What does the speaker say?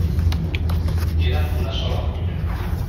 Eren d'una sola fulla.